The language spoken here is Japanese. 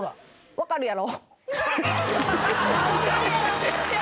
「分かるやろ？」